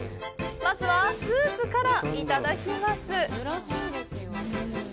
まずは、スープからいただきます。